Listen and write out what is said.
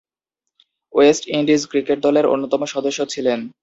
West Indies cricket দলের অন্যতম সদস্য ছিলেন।